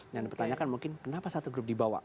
yang dipertanyakan mungkin kenapa satu grup dibawa